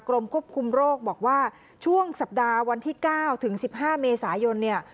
กรมควบคุมโรคบอกว่าช่วงสัปดาห์วันที่๙ถึง๑๕เมษายนเนี่ย